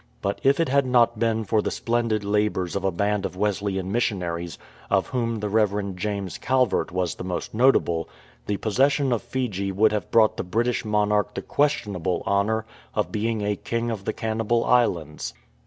But if it had not been for the splendid labours of a band of Wesleyan missionaries, of whom the Rev. James Calvert was the most notable, the possession of Fiji would have brought the British monarch the questionable honour of being a " King of the Cannibal Islands."